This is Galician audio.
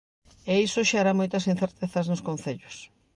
E iso xera moitas incertezas nos concellos.